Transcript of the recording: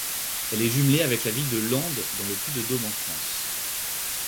Elle est jumelée avec la ville de Lempdes, dans le Puy-de-Dôme en France.